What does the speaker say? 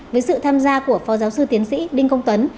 với sự tham gia của phó giáo sư tiến sĩ đinh công tuấn